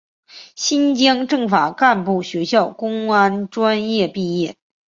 新疆政法干部学校公安专业毕业。